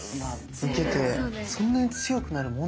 受けてそんなに強くなるもんなの？